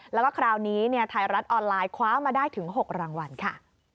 แล้วก็คราวนี้ไทยรัฐออนไลน์คว้ามาได้ถึง๖รางวัลค่ะ